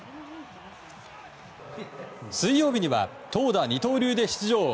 水曜日には投打二刀流で出場。